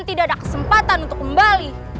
tidak ada kesempatan untuk kembali